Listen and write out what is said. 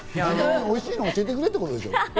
おいしいのを教えてくれってことでしょ？